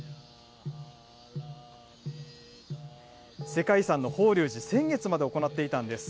世界遺産の法隆寺、先月まで行っていたんです。